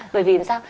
bởi vì sao